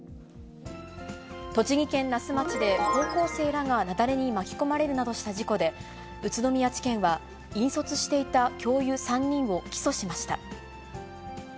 栃木県那須町で、高校生らが雪崩に巻き込まれるなどした事故で、宇都宮地検は引率していた教諭３人を起訴しました。